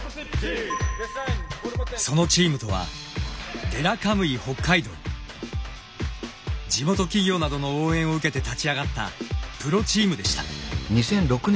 そのチームとは地元企業などの応援を受けて立ち上がったプロチームでした。